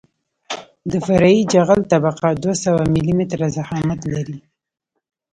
د فرعي جغل طبقه دوه سوه ملي متره ضخامت لري